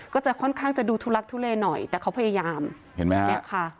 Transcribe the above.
ก็จะค่อนข้างจะดูทุลักทุเลหน่อยแต่เขาพยายามเห็นไหมฮะเนี่ยค่ะ